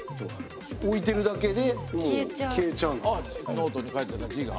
ノートに書いてた字が？